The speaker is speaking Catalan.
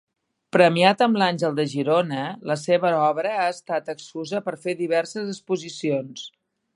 Premiat amb l'Àngel de Girona, la seva obra ha estat excusa per fer diverses exposicions.